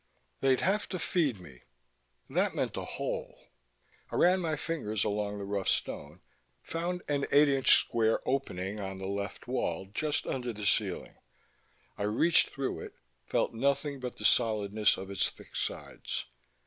They'd have to feed me; that meant a hole. I ran my fingers along the rough stone, found an eight inch square opening on the left wall, just under the ceiling. I reached through it, felt nothing but the solidness of its thick sides.